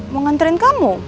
mau nganterin kamu